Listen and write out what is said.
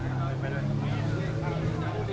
สวัสดีครับ